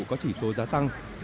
có chỉ số giá tăng